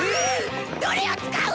どれを使う！？